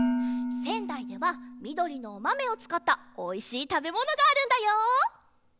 せんだいではみどりのおまめをつかったおいしいたべものがあるんだよ！